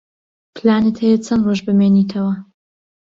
پلانت هەیە چەند ڕۆژ بمێنیتەوە؟